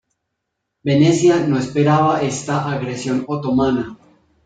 Venecia no esperaba esta agresión otomana.